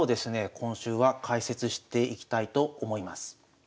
今週は解説していきたいと思います。